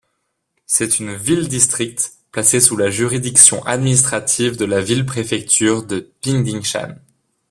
C'est une ville-district placée sous la juridiction administrative de la ville-préfecture de Pingdingshan.